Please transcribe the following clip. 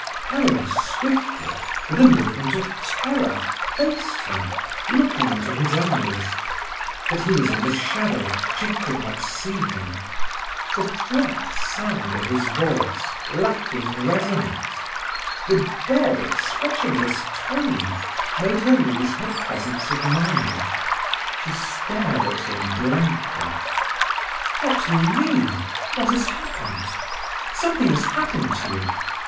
Helena swiftly, with a movement of terror, faced him, looking into his eyes. But he was in the shadow, she could not see him. The flat sound of his voice, lacking resonance—the dead, expressionless tone—made her lose her presence of mind. She stared at him blankly. "What do you mean? What has happened? Something has happened to you.